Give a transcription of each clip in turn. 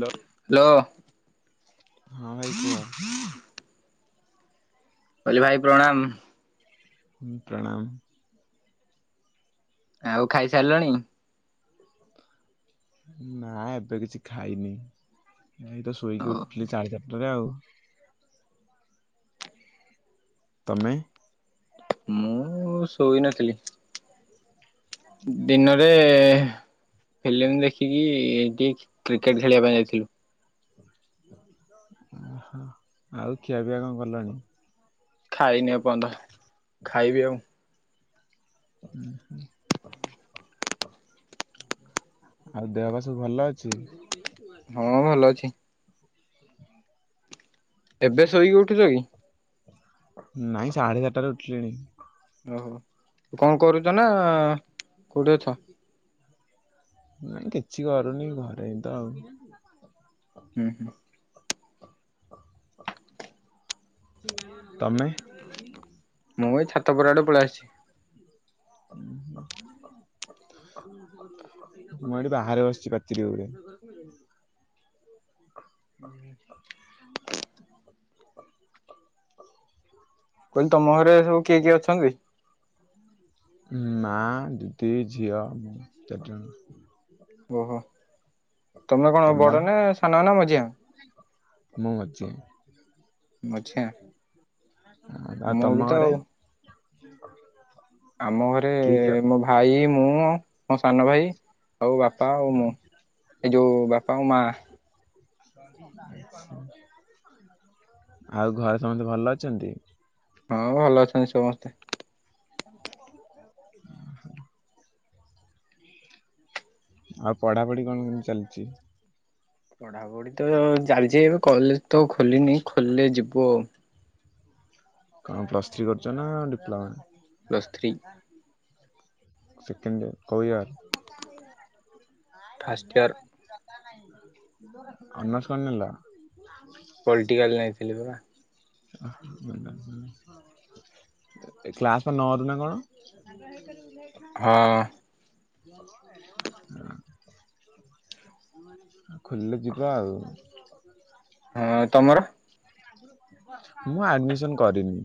Hello hello ହଁ ଭାଇ କୁହ। ମୁଁ କହିଲି ଭାଇ ପ୍ରଣାମ। ହୁଁ ପ୍ରଣାମ। ଆଉ ଖାଇସାରିଲଣି? [inaudible] ନାଁ ଏବେ କିଛି ଖାଇନି। ଏଇତ ଓ ଶୋଇକି ଉଠିଲି ସାଢେ଼ ଚାରିଟାରେ ଆଉ। ତମେ? ମୁଁ ଶୋଇନଥିଲି। [inaudible] ଦିନରେ ଫିଲ୍ମ ଦେଖିକି କି କ୍ରିକେଟ୍ ଖେଳିବା ପାଇଁ ଯାଇଥିଲୁ। ଓ ହୋ ଆଉ ଖିଆ ପିଆ କଣ କଲଣି? ଖାଇନି ଏପର୍ଯ୍ୟନ୍ତ ଖାଇବି ଆଉ। ହୁଁ ହୁଁ। ଆଉ ଦେହ ପା ସବୁ ଭଲ ଅଛି? ହଁ ଭଲ ଅଛି। ହଁ [inaudible] ଏବେ ଶୋଇକି ଉଠୁଛ କି? ନାଇଁ ସାଢେ ଚାରିଟାରେ ଉଠିଲିଣି। ଓ ହୋ କଣ କରୁଛ ନାଁ ହୁଁ [inaudible] ନାଇଁ କିଛି କରୁନି ଘରେ ତ ଆଉ। ହୁଁ ହୁଁ। ତମେ? ମୁଁ ଏଇ ଛାତ ଉପର ଆଡେ ପଳେଇ ଆସିଛି। ହୁଁ। ମୁଁ ଏଇଠି ବାହାରେ ବସିଛି ପାଚେରୀ ଉପରେ। [inaudible] ହୁଁ। କୁଲୁ ତମ ଘରେ ସବୁ କିଏ କିଏ ଅଛନ୍ତି? ମା ଦିଦି ଝିଅ ମୁଁ ଚାରିଜଣ। ଓ ହୋ ତମେ କଣ ତମର? ବଡ଼ ନାଁ ସାନ ନାଁ ମଝିଆ? ମୁଁ ମଝିଆଁ। ମଝିଆ ଆଉ ମୁଁ ବି ତ ତମ ଘରେ? ଆଉ ଆମ ଘରେ କିଏ କିଏ ମୋ ଭାଇ ମୁଁ ମୋ ସାନ ଭାଇ ଆଉ ବାପା ଆଉ ମୁଁ ଏ ଯୋଉ ବାପା ଆଉ ମା। ଆଛା ଆଉ ଘରେ ସମସ୍ତେ ଭଲ ଅଛନ୍ତି? ହଁ ଭଲ ଅଛନ୍ତି ସମସ୍ତେ। [inaudible] ଆଉ ପଢାପଢି କଣ କେମିତି ଚାଲିଛି? ପଢାପଢ଼ି ତ ଚାଲିଛି ଏବେ କଲେଜ୍ ତ ଖୋଲିନି ଖୋଲିଲେ ଯିବୁ ଆଉ। କଣ ପ୍ଲସ୍ ଥ୍ରୀ କରୁଛ ନାଁ ପ୍ଲସ୍ ଥ୍ରୀ ଡିପ୍ଲୋମା? ସେକେଣ୍ଡ କୋଉ ଇଅର୍? [inaudible] ଫାଷ୍ଟ ଇୟର ଅନର୍ସ କଣ ନେଲ? ପଲିଟିକାଲ ନେଇଥିଲି ପା। [unintelligible] କ୍ଲାସ ପା ନରୁୁ ନା କଣ? ହଁ। [unintelligible] ଖୋଲିଲେ ଯିବା ଆଉ। [unintelligible] ହଁ ତମର? ମୁଁ ଆଡମିସନ କରିନି।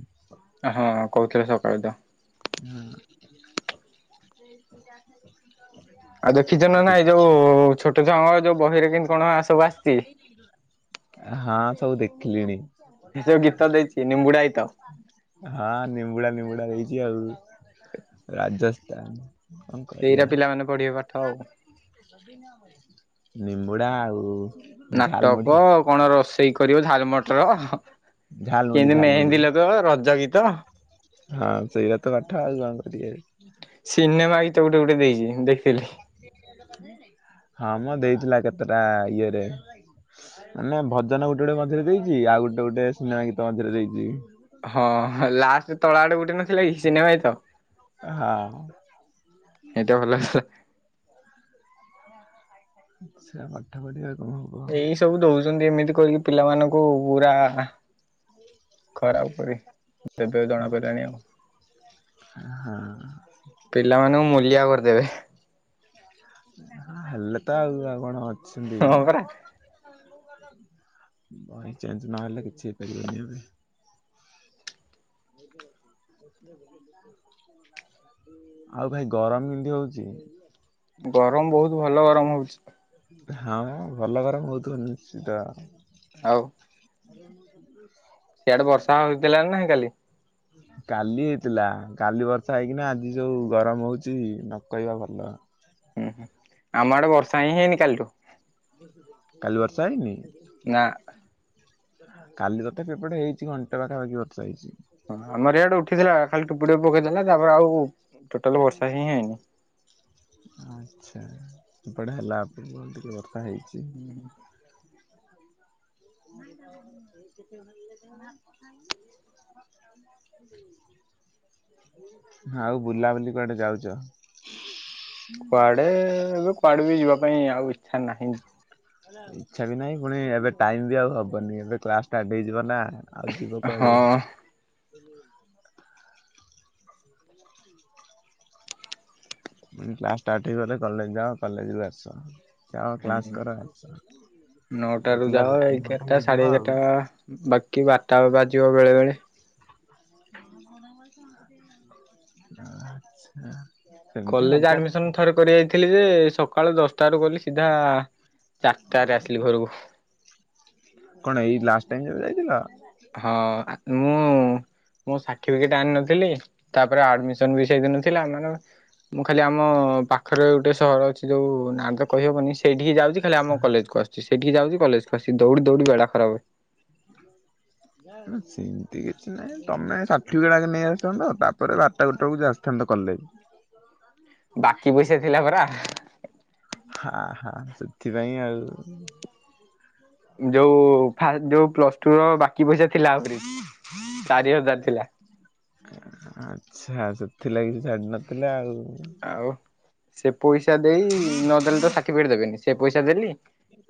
ହଁ ହଁ କହୁଥିଲେ ସକାଳୁ ତ। ହୁଁ। ଆଉ ଦେଖିଛ ନା ନାଇ ଯୋଉ ଛୋଟ ଛୁଆଙ୍କ ଯୋଉ ବହିରେ କେମିତି କଣ ସବୁ ଆସିଛି? ହଁ ସବୁ ଦେଖିଲିଣି। ଯୋଉ ଗୀତ ଦେଇଛି ନିମ୍ବୁଡାଇତ। ହଁ ନିମ୍ବୁଡା ନିମ୍ବୁଡା ଦେଇଛି ଆଉ ରାଜସ୍ଥାନ କଣ କରିବା? ଏଇରା ପିଲାମାନେ ପଢିବେ ପାଠ ଆଉ। [unintelligible] ନିମ୍ବୁଡ଼ା ଆଉ ଝାଲମୁଢି ନାଟକ କଣ ର ସେଇ କରିବ ଝାଲ ମଟର, ଝାଲମୁଢି କେମିତି ଝାଲମୁଢି। ମେହେନ୍ଦୀ ଲଗେଇବ ରଜ ଗୀତ ହଁ ସେୟାତ ତ ପାଠ ଆଉ କଣ କରିବେ? ସିନେମା ଗୀତ ଗୋଟେ ଗୋଟେ ଦେଇଛି ଦେଖିଥିଲି। ହଁ ମଁ ଦେଇଥିଲା କେତେଟା ଇଏରେ। ମାନେ ଭଜନ ଗୋଟେ ଗୋଟେ ମଝିରେ ଦେଇଛି ଆଉ ଗୋଟେ ଗୋଟେ ସିନେମା ଗୀତ ମଝିରେ ଦେଇଛି। ହଁ ଲାଷ୍ଟ ତଳ ଆଡେ ଗୋଟେ ନଥିଲା କି ସିନେମା ଗୀତ? ହଁ। ଏଇଟ ଭଲ [unintelligible] ଆଛା। ପାଠ ପଢ଼ିବାକୁ ଏଇ ସବୁ ଦଉଛନ୍ତି ଏମିତି କରିକି ପିଲାମାନଙ୍କୁ ପୁରା ଖରାପ କରି ଦବେ ଜଣା ପଡ଼ିଲାଣି ଆଉ। ହଁ ପିଲାମାନଙ୍କୁ ମୂଲିଆ କରିଦେବେ। ହେଲେ ତ ଆଉ ଆଉ କଣ ଅଛନ୍ତି। ହଁ ପରା ବହି ଚେଞ୍ଜ ନହେଲେ କିଛି ହେଇପାରିବନି ଆଉ ବି। [unintelligible] ଆଉ ଭାଇ ଗରମ କିମତି ହଉଛି? ଗରମ ବହୁତ ଭଲ ଗରମ ହଉଛି। ହଁ ମ ଭଲ ଗରମ ହଉଥିବ ନିଶ୍ଚିତ। ଆଉ ସିଆଡେ ବର୍ଷା ହୋଇଥିଲାଣିି ନା କାଲି? କାଲି ହେଇଥିଲା କାଲି ବର୍ଷା ହେଇକିନା ଆଜି ଜଉ ଗରମ ହଉଛି ନ କହିବା ଭଲ। ହୁଁ ହୁଁ ଆମ ଆଡେ ବର୍ଷା ହିଁ ହେଇନି କାଲିଠୁ। କାଲି ବର୍ଷା ହେଇନି? ନା। କାଲି ତଥାପି ଏପଟେ ହେଇଛି ଘଣ୍ଟେ ପାଖା ପାଖି ବର୍ଷା ହେଇଛି। ହଁ ଆମର ଇଆଡେ ଉଠିଥିଲା ଖାଲି ଟୋପୁ ଟୁପେ ପକେଇଦେଲା ତାପରେ ଆଉ ଟୋଟାଲ ବର୍ଷା ହିଁ ହେଇନି। ଆଛା ଏପଟେ ହେଲାପ ଟିକେ ବର୍ଷା ହେଇଛି। ହୁଁ ହୁଁ। [unintelligible] ଆଉ ବୁଲାବୁଲି କୁଆଡେ ଯାଉଛ? କୁଆଡେ ଏବେ କୁଆଡେ ବି ଯିବା ପାଇଁ ଆଉ ଇଚ୍ଛା ନାହିଁ। ଇଚ୍ଛା ବି ନାହିଁ ପୁଣି ଏବେ ଟାଇମ ବି ଆଉ ହବନି ଏବେ କ୍ଲାସ ଷ୍ଟାର୍ଟ ହେଇଯିବ ନା ଆଉ ଯିବ ହଁ। କୁଆଡେ। ମାନେ କ୍ଲାସ୍ ଷ୍ଟାର୍ଟ ହେଇଗଲେ କଲେଜ ଯାଅ କଲେଜରୁ ଆସ। ଯାଅ ହୁଁ କ୍ଲାସ କର ଆସ ନଅଟାରୁ ଯାଅ ରେଗୁଲାର ରୁଟିନ ଗୋଟେ ଏଗାରଟା ସାଢେ ହେଇଯିବ ଏଗାରଟା ଆଉ। ବାକି ବାରଟା ବାଜିବ ବେଳେ ବେଳେ। [inaudible] ସେମିତି କଲେଜ ହବ ଆଡମିସନ ଥରେ କରି ଯାଇଥିଲି ଯେ ସକାଳ ଦଶଟାରୁୁ ଗଲି ସିଧା ଚାରିଟାରେ ଆସିଲି ଘରକୁ କଣ ଏଇ ଲାଷ୍ଟ ଟାଇମ ଯୋଉ ଯାଇଥିଲ? ହଁ ମୁଁ ମୋ ସାଠିଫିକେଟ ଆଣି ନଥିଲି ତାପରେ ଆଡମିସନ ବି ସେଇଦିନ ଥିଲା। ମାନେ ମୁଁ ଖାଲି ଆମ ପାଖରେ ଗୋଟେ ସହର ଅଛି ଯୋଉ ନା ତ କହବନି ସେଇଠିକି ଯାଉଚି ଖଲି ଆମ କଲେଜ କୁ ଆସୁଚି ସେଠି ଯାଉଚି କଲେଜକୁ ଆସି ଦୌଡ଼ି ଦୌଡି ବେଳା ଖରାପେ। ସେମିତି କିଛି ନାହିଁ ତମେ ସାର୍ଠିଫିକେଟ ଆଗେ ନେଇ ଆସିଥାନ୍ତ ତାପରେ ବାରଟା ଗୋଟେ ବେକୁ ଯ ଆସିଥାନ୍ତ କଲେଜ। ବାକି ପଇସା ଥିଲା ପରା। ହା ହା ସେଥିପାଇଁ ଆଉ। ଯୋଉ ଫାସ ଯୋଉ ପ୍ଲସ ଟୁ ର ବାକି ପଇସା ଥିଲା ଆହୁରି ଚାରି ହଜାର ଥିଲା। ଆଚ୍ଛା ସେଥିଲାଗି ଛାଡି ନଥିଲେ ଆଉ। ଆଉ ସେ ପଇସା ଦେଇ ନଦେଲେ ତ ସାର୍ଟିଫିକେଟ ଦେବେନି ସେ ପଇସା ଦେଲି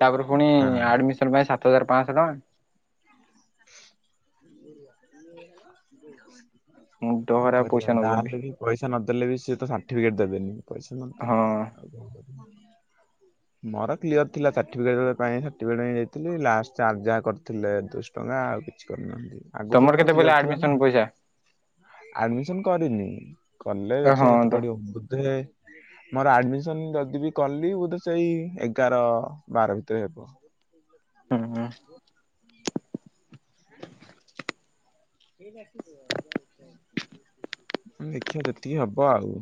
ତାପରେ ପୁଣି ହଁ। ଆଡମିଶନ ପାଇଁ ସାତ ହଜାର ପାଁଶହ ଟଙ୍କା। ମୁଣ୍ଡ କଣ ଖରାପ ପଇସା କରିବା ଦା ନଉଛନ୍ତି। ହେଲେବି ପଇସା ନଦେଲେ ବି ସେ ତ ସାର୍ଟିଫିକେଟ ଦେବେନି। ପଇସା ହଁ ନଦେଲେ ଆଉ କଣ କରିବୁ। ମୋର କ୍ଲିୟର ଥିଲା ସାର୍ଟିଫିକେଟ ପାଇଁ ସାଟିଫିକେଟ ପାଇଁ ଯାଇଥିଲି ଲା ଯା କରିଥିଲେ ଦୁ ଟଙ୍କା ଆଉ କିଛି କରିନାହାନ୍ତି ଆଗରୁ ସବୁ ତମର ମୋର କେତେ ପଇଲା କିଜର ଥିଲା ଆଡମିସନ ନା। ପଇସା ଆଡମିସନ କରିନି କଲେ ହଁ ଦେଖିବା କେତେ ତ ପଡିବ। ବୁଧେ ମୋର ଆଡମିସନ ଯଦି ବି କଲି ହୁଏ ତ ସେଇ ଏଗାର ବାର ଭିତରେ ହେବ। ହୁଁ। ଦେଖିବା ଯେତିକି ହବ ଆଉ।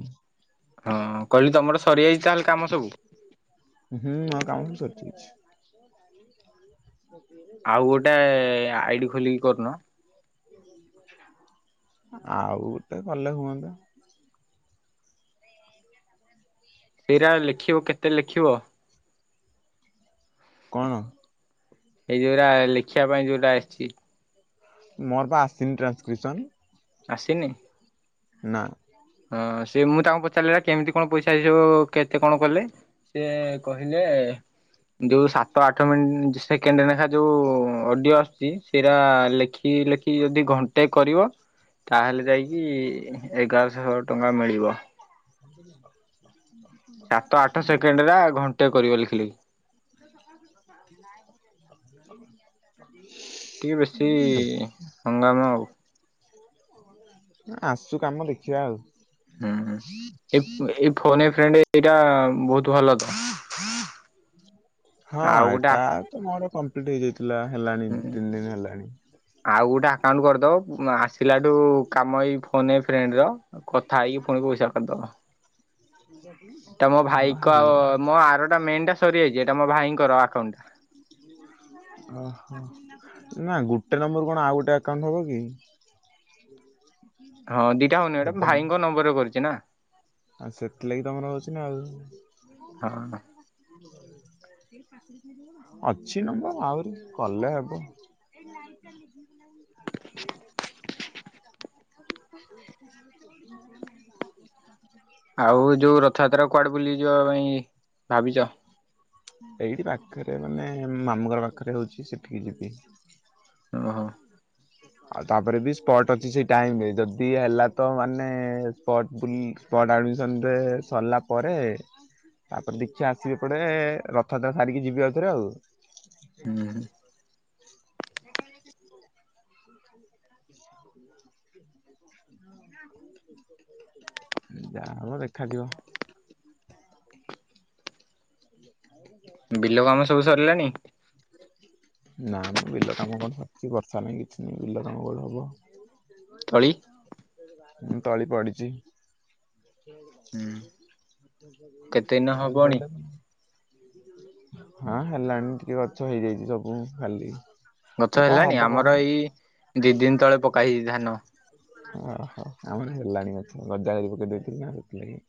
ହଁ କହିଲି ତମର ସରିଯାଇଚି ତାହେଲେ କାମ ସବୁ। ହୁଁ ମୋ କାମ ତ ସରିଯାଇଚି। ଆଉ ଗୋଟେ ଆଇଡ଼ି ଖୋଲିକି କରୁନ? ଆଉ ତେ କଲେ ହୁଅନ୍ତା। ସେଇରା ଲେଖିବ କେତେ ଲେଖିବ? କଣ? ଏଇ ଯୋଉରା ଲେଖିବା ପାଇଁ ଯୋଉ ମୋର ପା ଆସିନି ଟ୍ରାନ୍ସକ୍ରିପସନ। ଆସିନି? ନାଁ। ହଁ ସେ ମୁଁ ତାଙ୍କୁ ପଚାରିଲାବେଳେ କେମିତି କଣ ପଇସା ଆସିବ କେତେ କଣ କଲେ? ସେ କହିଲେ ଯୋଉ ସାତ ଆଠ ମିନିଟ ସେ କେଣ୍ଡ ନେଖା ଯୋଉଁ ଅଡ଼ିଓ ଆସୁଚି ସେଇରା ଲେଖି ଲେଖି ଯଦି ଘଣ୍ଟେ କରିବ ତାହେଲେ ଯାଇକି ଏଗାରଶହ ଟଙ୍କା ମିଳିବ। [inaudible] ସାତ ଆଠ ସେକେଣ୍ଡରା ଘଣ୍ଟେ କରିବ ଲେଖିଲେଖି। [inaudible] ଟିକେ ବେଶୀ ହଙ୍ଗାମ ଆଉ। [unintelligible] ଆସୁ କାମ ଦେଖିବା ଆଉ। ହୁଁ ଏ ଏଇ ଫୋନ ଏ ଫ୍ରେଣ୍ଡ ଏଇଟା ବହୁତ ଭଲ ତ। ହଁ ଆଉ ଗୋଟେ ଏଟା ତ ମୋର କମ୍ପ୍ଲିଟ ହେଇଯାଇଥିଲା ହେଲାଣି ହୁଁ ତିନି ଦିନ ହେଲାଣି। ଆଉ ଗୋଟେ ଆକାଉଣ୍ଟ କରିଦବ ଆସିଲାଠୁ କାମ ଏଇ ଫୋନ ଏ ଫ୍ରେଣ୍ଡ ର ଉ କଥା ହେଇକି ପୁଣି ପଇସା କରିଦେବ। [unintelligible] ଏଟା ମୋ ଭାଇକ ହେଲେ ମୋ ଆରଟା ମେନ୍ ଟା ସରିଯାଇଛି ଏଟା ମୋ ଭାଇଙ୍କର ଆକାଉଣ୍ଡଟା। ଓହୋ ନା ଗୁଟେ ନମ୍ବରୁ କଣ ଆଉ ଗୋଟେ ଆକାଉଣ୍ଟ ହବ କି? [unintelligible] ହଁ ଦିଟା ହଉନି ଏଟା ହବନି। ଭାଇଙ୍କ ନମ୍ବରରେ କରିଛି ନା। ଆଉ ସେଥିଲାଗି ତମର ହଉଛି ନା ଆଉ। ହଁ ଅଛି ନବ ଆହୁରି କଲେ ହବ। [unintelligible] [unintelligible] ଆଉ ଯୋଉ ରଥଯାତ୍ରା କୁ କୁଆଡେ ବୁଲି ଯିବା ପାଇଁ ଭାବିଛ? ଏଇଠି ପାଖରେ ମାନେ ମାମୁଁ ଘର ପାଖରେ ହଉଛି ସେଠିକି ଯିବି। ଓହୋ। ଆଉ ତାପରେ ବି ସ୍ପଟ ଅଛି ସେଇ ଟାଇମ ରେ ଯଦି ହେଲା ତ ମାନେ ସ୍ପଟ ବୁ ସ୍ପଟ ଆଡ଼ମିସନରେ ସରିଲା ପରେ ତାପରେ ଦେଖିଆ ଆସିବି ଏଇପଟେ ରଥଯାତ୍ରା ସାରିକି ଯିବି ଆଉଥରେ ଆଉ। ହୁଁ ଯାହବ ଦେଖାଯିବ। [unintelligible] ବିଲ କାମ ସବୁ ସରିଲାଣି? ନା ମ ବିଲ କାମ କଣ ସରିଛି ବର୍ଷା ନାହିଁ କିଛି ନାହିଁ ବିଲ କାମ କୁଆଡୁ ହବ। ତଳୀ ହୁଁ ତଳି ପଡିଛି। ହୁଁ କେତେ ଦିନ ହବଣି [unintelligible] ହଁ ହେଲାଣି ଟିକେ ଗଛ ହେଇଯାଇଛି ସବୁ ଖାଲି ଏ ଗଛ କଣ ହେଲାଣି? ହବ ଆମର କହନି? ଏଇ ଦି ଦିନ ତଳେ ପକା ହେଇଛି ଧାନ। ଓହୋ ଆମର ହେଲାଣି ଗଛ ଗଜା କରିକି ପକେଇ ଦେଇଥିଲୁ ନା ସେଥିଲାଗି।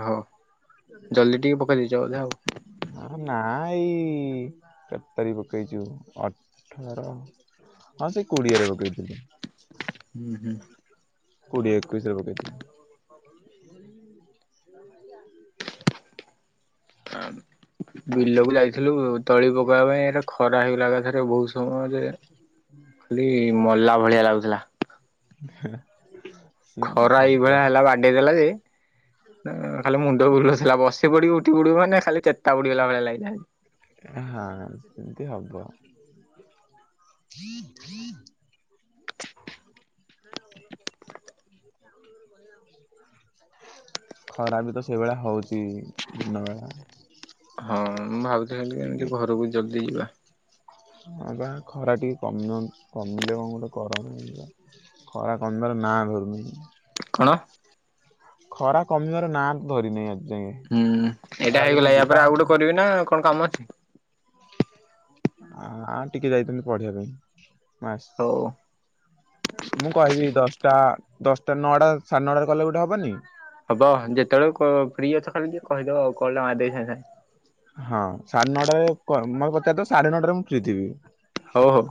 ଓ ହୋ ଜଲ୍ଦି ଟିକେ ପକେଇ ଦେଇେଛ ବୋଧେ ଆଉ? ହଁ ନାଁ ଏଇ କେତାରିଖ ପକେଇଛୁ ଅଠର ହଁ ସେଇ କୋଡିଏରେ ପକେଇଥିଲୁ। [inaudible] କୋଡ଼ିଏ ଏକୋଇଶରେ ପକେଇଥିଲୁ। [inaudible] ବିଲକୁ ଯାଇଥିଲୁ ତଳି ପକେଇବା ପାଇଁ ଏଟା ଖରା ହେଇଗଲା କାଥରେ ବହୁତ ସମରେ ଖାଲି ମଲା ଭଳିଆ ଲାଗୁଥିଲା। ହଁ। ସେମିତି ଖରା ହବ ଏଇଭଳିଆ ହେଲା ବାଡେଇ ଦେଲା ଯେ ଖାଲି ମୁଣ୍ଡ ବୁଲଥିଲା ବସି ବସିପଡି ଉଠିଡ ମାନେ ଖାଲି ଚେତା ବୁଡ଼ଗଲା ଭଳି ଲାଗିଲା। ହଁ ସେମିତି ହବ। [inaudible] ଖରା ବି ତ ସେଇଭଳିଆ ହଉଚି ଦିନ ବଳା। ହଁ ମୁଁ ଭାବୁଥିଲ ଏମିତି ଘରକୁ ଜଲ୍ଦି ଯିବା। ଆଁ ବା ଖରା ଟିକେ କମ କମିଲେ କଣ ଗୋଟେ କର ନାହି ଖରା କମିବାର ନା ଧରୁନି। କଣ? [inaudible] ଖରା କମିବାର ନାଁ ତ ଧରି ନାହିଁ ଆଜି ଯାଇ ହୁଁ ଏଇଟା ହେଇଗଲା ଖରାଦିନ ୟା ପରେ ଯିବା ଆଉ ଗୋଟେ ତ କରିବି ନା କଣ କାମ ଅଛି? ଆ ଟିକେ ଯାଇଥାଛନ୍ତି ପଢିବା ପାଇଁ ମାସ ହଉ। ମୁଁ କହିବି ଦଶଟା ଦଶଟା ନଅଟା ସାଢେ ନଅଟା କଲେ ଗୋଟେ ହବନି। ହବ ଯେତେବେଳେ ଫ୍ରି ଅଛ ଖାଲି ଟିକେ କହିଦବ ଆଉ କ ଟା ମା ଦେଇ ହଁ ସାଢ଼େ ନଅଟାରେ ମୋର କଥା ତ ସାଢେ ନଅଟାରେ ମୁଁ ଫ୍ରି ଥିବି। ହଉ ହଉ